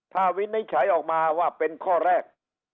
ถ้าวินิจฉัยออกมาว่าเป็นข้อแรก